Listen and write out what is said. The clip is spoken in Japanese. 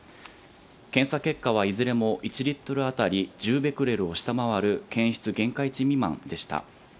検査結果はいずれも１リットル当たり１０ベクレルを下回る検出限界値未満でした。